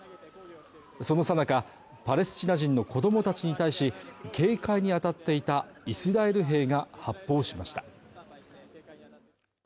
そのさなかパレスチナ人の子どもたちに対し警戒に当たっていたイスラエル兵が発砲しました